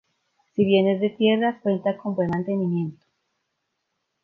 Si bien es de tierra, cuenta con buen mantenimiento.